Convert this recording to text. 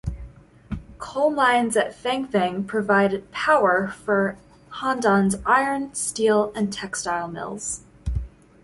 Coal mines at Fengfeng provide power for Handan's iron, steel and textile mills.